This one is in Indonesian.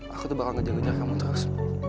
aku tuh bakal ngejar ngejar kamu terus